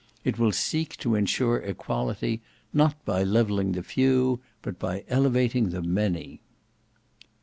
It will seek to ensure equality, not by levelling the Few but by elevating the Many."